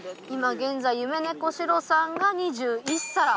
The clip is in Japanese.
今現在夢猫シロさんが２１皿。